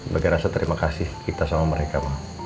bagi rasa terima kasih kita sama mereka